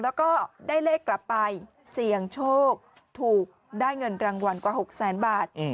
แล้วก็ได้เลขกลับไปเสี่ยงโชคถูกได้เงินรางวัลกว่า๖แสนบาท